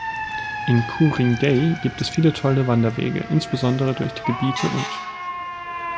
In Ku-ring-gai gibt es viele tolle Wanderwege, insbesondere durch die Gebiete und.